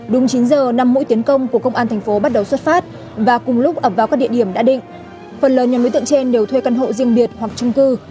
đúng chín giờ năm mũi tiến công của công an tp bắt đầu xuất phát và cùng lúc ập vào các địa điểm đã định phần lớn những đối tượng trên đều thuê căn hộ riêng biệt hoặc chung cư